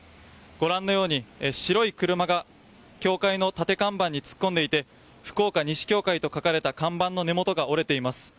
ご覧のように白い車が教会の立て看板に突っ込んでいて福岡西教会と書かれた看板の根元が折れています。